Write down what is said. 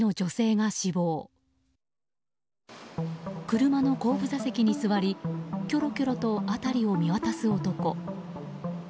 車の後部座席に座りきょろきょろと辺りを見渡す男。